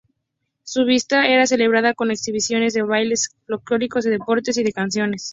Su visita era celebrada con exhibiciones de bailes folclóricos, de deportes y de canciones.